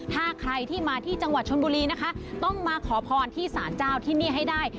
ถ้าใครที่มาที่จังหวัดชนบุรีนะคะต้องมาขอพรที่สารเจ้าที่นี่ให้ได้